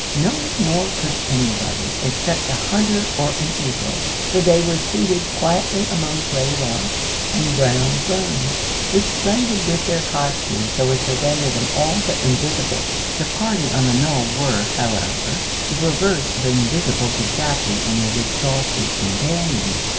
No more could anybody, except a hunter or an eagle, for they were seated quietly among grey rocks and brown ferns, which blended with their costume so as to render them all but invisible. The party on the knoll were, however, the reverse of invisible to Jacky and his exhausted companion.